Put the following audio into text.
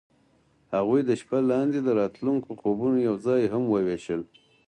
هغوی د شپه لاندې د راتلونکي خوبونه یوځای هم وویشل.